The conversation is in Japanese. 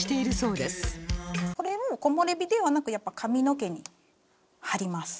これを木漏れ日ではなくやっぱ髪の毛に貼ります。